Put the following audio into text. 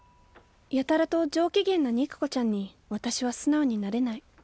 やたらと上機嫌な肉子ちゃんに私は素直になれない。